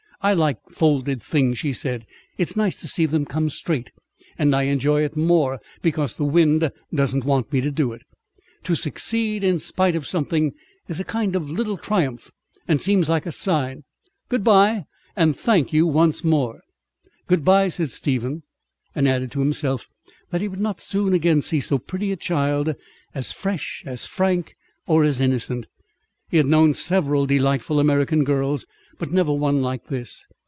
"I like folded things," she said. "It's nice to see them come straight, and I enjoy it more because the wind doesn't want me to do it. To succeed in spite of something, is a kind of little triumph and seems like a sign. Good bye, and thank you once more." "Good bye," said Stephen, and added to himself that he would not soon again see so pretty a child; as fresh, as frank, or as innocent. He had known several delightful American girls, but never one like this.